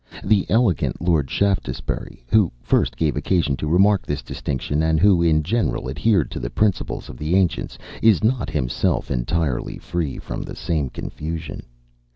The elegant Lord Shaftesbury, who first gave occasion to remark this distinction, and who, in general, adhered to the principles of the ancients, is not, himself, entirely free from the same confusion....